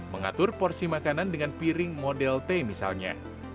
mengatur porsi makanan dengan piring model t misalnya